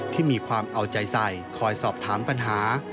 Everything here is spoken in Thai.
ที่มีความเอาใจใส่คอยสอบถามปัญหา